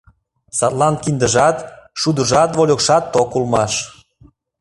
Садлан киндыжат, шудыжат, вольыкшат ток улмаш.